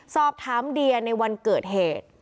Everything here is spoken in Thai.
สอบถามเดียในวันเกิดเหตุ